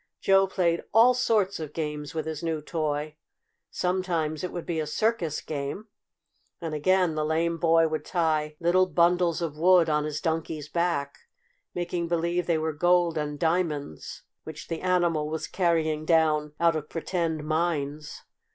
Joe played all sorts of games with his new toy. Sometimes it would be a circus game, and again the lame boy would tie little bundles of wood on his Donkey's back, making believe they were gold and diamonds which the animal was carrying down out of pretend mines.